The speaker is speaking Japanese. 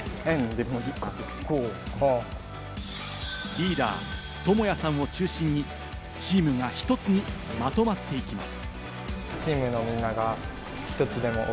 リーダー・トモヤさんを中心にチームが一つにまとまっていきます。